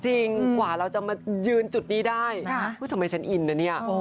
กว่าเราจะมายืนจุดนี้ได้นะทำไมฉันอินนะเนี่ย